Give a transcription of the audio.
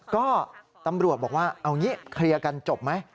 ก็ตำรวจบอกว่าเอางี้เคลียร์กันจบไหม